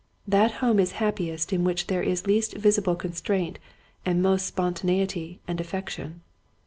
That home is happiest in which there is least visible constraint and most spontaneity and affection.